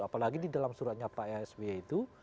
apalagi di dalam suratnya pak sby itu